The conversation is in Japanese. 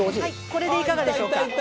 これでいかかでしょうか？